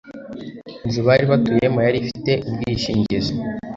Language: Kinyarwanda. inzu bari batuyemo yari ifite ubwishingizi.